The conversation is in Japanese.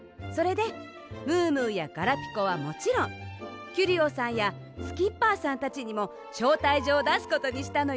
それでムームーやガラピコはもちろんキュリオさんやスキッパーさんたちにもしょうたいじょうをだすことにしたのよ。